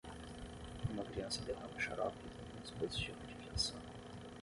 Uma criança derrama xarope em um dispositivo de fiação